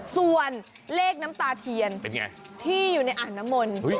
ส่วนเลขน้ำตาเทียนที่อยู่ในอ่างน้ำมนต์